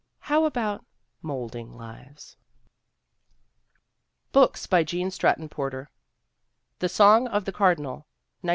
How about molding lives? } BOOKS BY GENE STRATTON PORTER > The Song of the Cardinal, 1903.